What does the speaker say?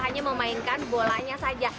hanya memainkan bolanya saja